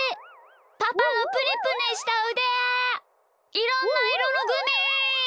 いろんないろのグミ！